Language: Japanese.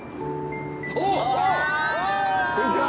こんにちは。